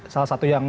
salah satu yang